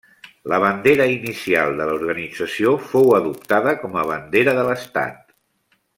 La bandera inicial de l'organització fou adoptada com a bandera de l'estat.